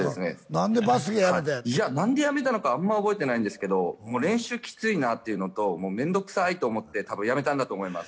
何でバスケやめたんや何でやめたのかあんま覚えてないんですけど練習キツいなっていうのとめんどくさいと思ってたぶんやめたんだと思います